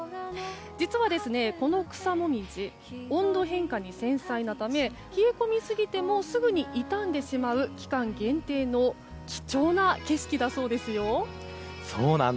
実はこの草紅葉、温度変化に繊細なため冷え込みすぎてもすぐに傷んでしまう期間限定の貴重な景色だそうですよ。